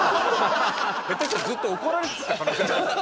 下手したらずっと怒られてた可能性ありますよ。